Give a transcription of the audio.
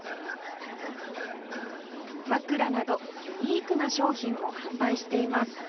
枕などユニークな商品も販売しています